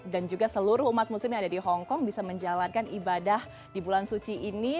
dan juga seluruh umat muslim yang ada di hongkong bisa menjalankan ibadah di bulan suci ini